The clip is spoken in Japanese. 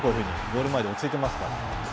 ゴール前で落ち着いてますから。